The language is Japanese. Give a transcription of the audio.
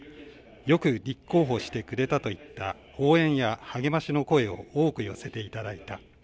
よく立候補してくれたといった応援や励ましの声を多く寄せていただいた。